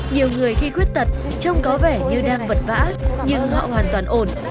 nhiều người khi khuyết tật trông có vẻ như đang vật vã nhưng họ hoàn toàn ổn